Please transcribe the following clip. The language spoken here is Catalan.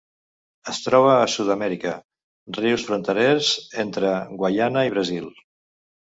Es troba a Sud-amèrica: rius fronterers entre Guaiana i Brasil.